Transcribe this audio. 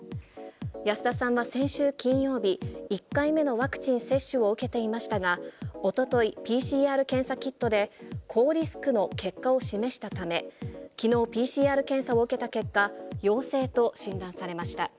安田さんは先週金曜日、１回目のワクチン接種を受けていましたが、おととい、ＰＣＲ検査キットで高リスクの結果を示したため、きのう、ＰＣＲ検査を受けた結果、陽性と診断されました。